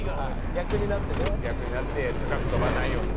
「逆になって高く飛ばないように」